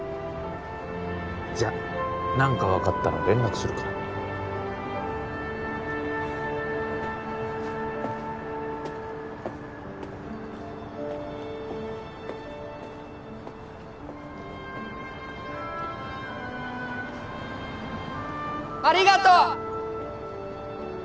じゃあ何か分かったら連絡するからありがとう！